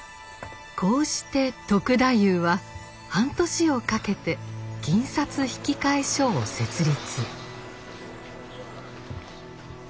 こうして篤太夫は半年をかけて銀札引換所を設立。